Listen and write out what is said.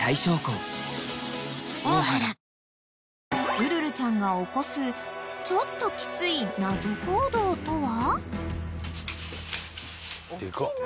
［ウルルちゃんが起こすちょっときつい謎行動とは？］